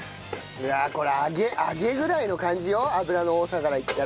うわこれ「揚げ」ぐらいの感じよ油の多さからいったら。